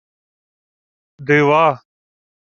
— Дива!